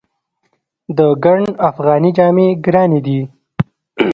د ګنډ افغاني جامې ګرانې دي؟